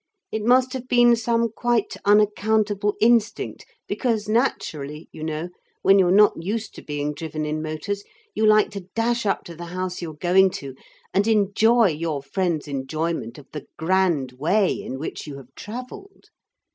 It must have been some quite unaccountable instinct, because naturally, you know, when you are not used to being driven in motors, you like to dash up to the house you are going to, and enjoy your friends' enjoyment of the grand way in which you have travelled.